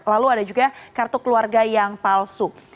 lalu ada juga kartu keluarga yang palsu